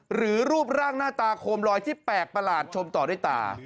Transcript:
รูปร่างหน้าตาโคมลอยที่แปลกประหลาดชมต่อด้วยตา